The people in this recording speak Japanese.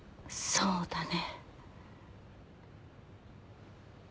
そうだね。